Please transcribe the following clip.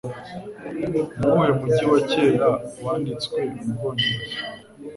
Nuwuhe mujyi wa kera wanditswe mu Bwongereza